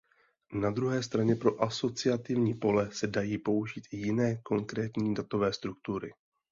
Na druhé straně pro asociativní pole se dají použít i jiné konkrétní datové struktury.